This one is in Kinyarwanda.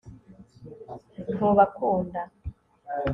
ntubakunda